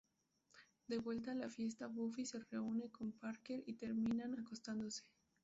De vuelta a la fiesta Buffy se reúne con Parker y terminan acostándose.